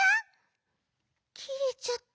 きれちゃった。